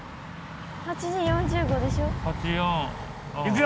８時４５でしょ？